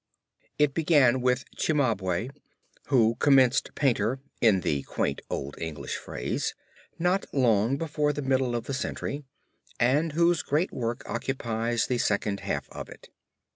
It began with Cimabue, who commenced painter, in the quaint old English phrase, not long before the middle of the century and whose great work occupies the second half of it.